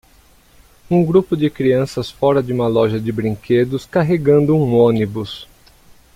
Um grupo de crianças fora de uma loja de brinquedos carregando um ônibus.